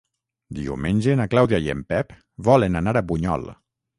Diumenge na Clàudia i en Pep volen anar a Bunyol.